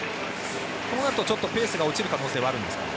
こうなるとペースが落ちる可能性はあるんですか？